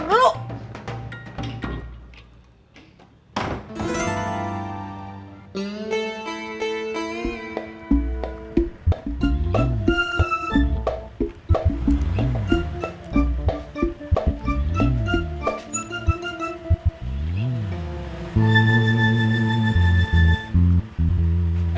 pergi ke rumahnya